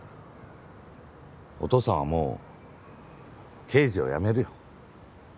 お父さんはもう刑事を辞めるよ。